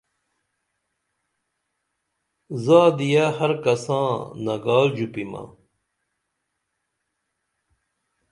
زادی یہ ہر کساں نگال ژوپیمہ